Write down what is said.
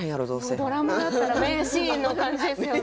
もうドラマだったら名シーンの感じですよね。